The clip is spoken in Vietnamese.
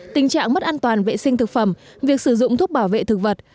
tình trạng mất an toàn vệ sinh thực phẩm việc sử dụng thuốc bảo vệ thực vật